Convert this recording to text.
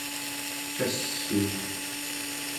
cassuun